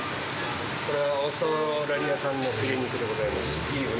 これはオーストラリア産のヒレ肉でございます。